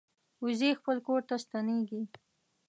وزې خپل کور ته ستنېږي